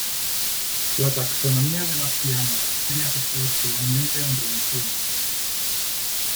La taxonomía de las cianobacterias está actualmente en revisión.